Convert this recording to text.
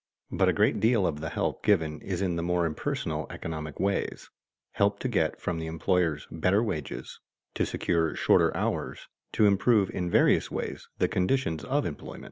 But a great deal of the help given is in the more impersonal economic ways: help to get from the employers better wages, to secure shorter hours, to improve in various ways the conditions of employment.